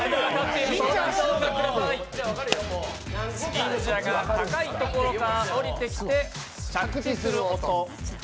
忍者が高いところからおりてきて着地する音。